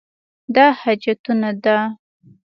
دا حاجتونه ده.